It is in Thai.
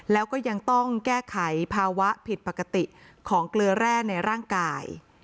แล้วก็ยังต้องแก้ไขภาวะผิดปกติของเกลือแร่ในร่างกาย